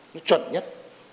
nó chuẩn nhất